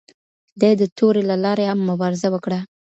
ده د تورې له لارې هم مبارزه وکړه